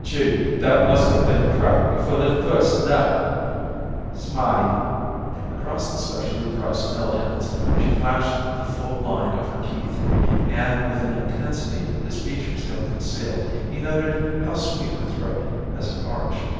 "Gee! that must have been cracked before the first nut." "Smarty!" Across the specially priced mill ends she flashed the full line of her teeth, and with an intensity his features ill concealed he noted how sweet her throat as it arched.